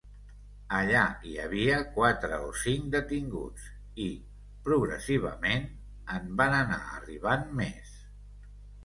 Allà hi havia quatre o cinc detinguts, i progressivament en van anar arribant més.